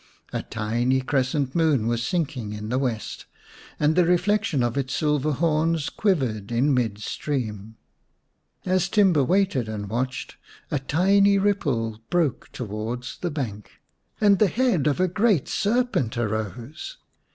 A tiny crescent moon was sinking in the west, and the reflection of its silver horns quivered in mid stream. 84 vin The Serpent's Bride As Timba waited and watched a tiny ripple broke towards the bank and the head of a great serpent arose.